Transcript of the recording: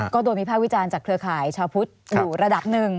ก็โดนวิภาควิจารณ์จากเครือข่ายชาวพุทธอยู่ระดับหนึ่ง